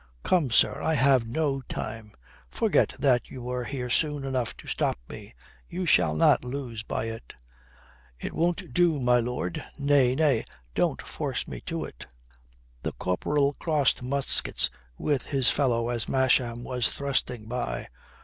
"Come, sir, I have no time. Forget that you were here soon enough to stop me. You shall not lose by it." "It won't do, my lord. Nay, nay, don't force me to it." The corporal crossed muskets with his fellow as Masham was thrusting by.